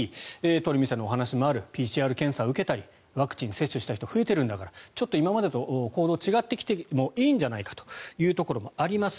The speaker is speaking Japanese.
鳥海さんのお話にもあるＰＣＲ検査を受けたりワクチン接種をした人増えているんだからちょっと今までとは行動が違ってきてもいいんじゃないかというところもあります。